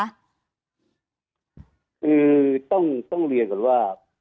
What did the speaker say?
คือต้องเรียนก่อนว่า